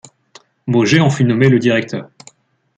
Mauget en fut nommé le directeur.